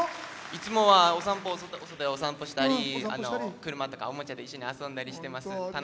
いつもはお散歩したり車とかおもちゃで一緒に遊んだりしてます。